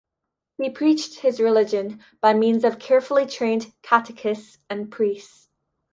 He preached his religion by means of carefully trained catechists and priests.